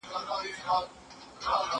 زه له سهاره د سبا لپاره د نوي لغتونو يادوم